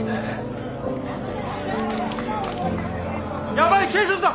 ・・ヤバい警察だ！